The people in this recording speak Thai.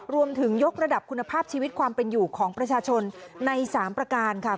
ยกระดับคุณภาพชีวิตความเป็นอยู่ของประชาชนใน๓ประการค่ะ